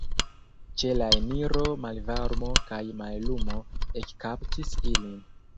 Ĉe la eniro malvarmo kaj mallumo ekkaptis ilin.